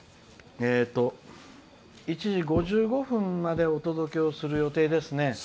１時５５分までお届けをする予定ですね。